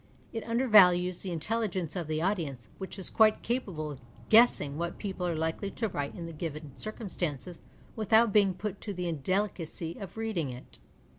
It under values the intelligence of the audience, which is quite capable of guessing what people are likely to write in the gi\'en eireumstanees without being put to the indelicacy of reading it.